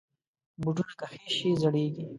بوټونه که خیشت شي، زویږي.